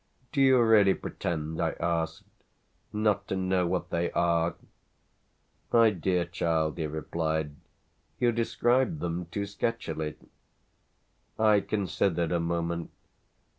"Do you really pretend," I asked, "not to know what they are?" "My dear child," he replied, "you describe them too sketchily!" I considered a moment.